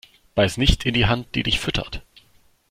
Beiß nicht in die Hand, die dich füttert.